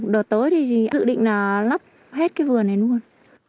đầu tối thì dự định là lắp hết cái vườn này luôn